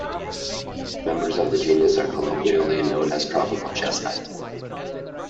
Members of the genus are colloquially known as tropical chestnuts.